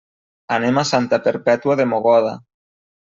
Anem a Santa Perpètua de Mogoda.